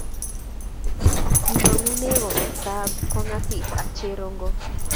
Kimongune komasta nebo kongasis ak cherongo